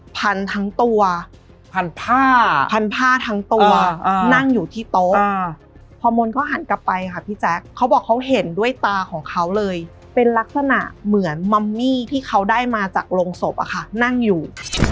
พันทั้งตัวพันผ้าพันผ้าทั้งตัวนั่งอยู่ที่โต๊ะพอมนต์เขาหันกลับไปค่ะพี่แจ๊คเขาบอกเขาเห็นด้วยตาของเขาเลยเป็นลักษณะเหมือนมัมมี่ที่เขาได้มาจากโรงศพอะค่ะนั่งอยู่